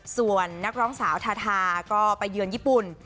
ส่วนนักร้องสาวทาทาก็ไปเยือนญี่ปุ่น